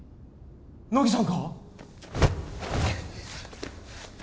乃木さんか？